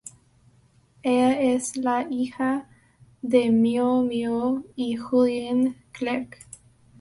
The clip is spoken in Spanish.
Ella es la hija de Miou-Miou y Julien Clerc.